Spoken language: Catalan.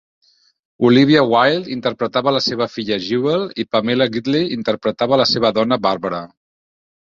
Olivia Wilde interpretava la seva filla Jewel i Pamela Gidley interpretava la seva dona Barbara.